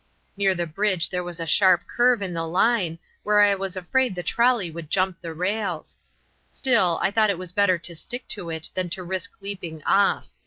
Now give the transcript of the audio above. Near the bridge there was a sharp curve in the line, where I was afraid the trolley would jump the rails; still, I thought it was better to stick to it than to risk leaping off.